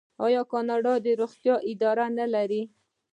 آیا کاناډا د روغتیا اداره نلري؟